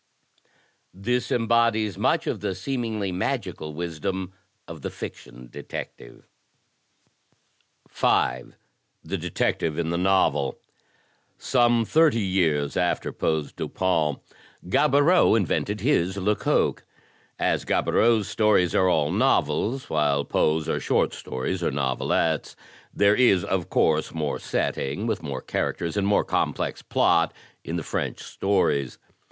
This embodies much of the seemingly magical wisdom of the fiction detective. 5. The Detective in the Novel Some thirty years after Poe's Dupin, Gaboriau invented his Lecoq. As Gaboriau's stories are all novels, while Poe's are short stories or novelettes, there is, of course, more setting, with more characters and more complex plot, in the French stories.